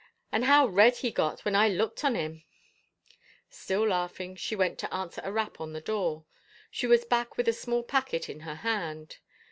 And how red he got when I looked on him I " Still laughing she went to answer a rap on the door. She was back with a small packet in her hand.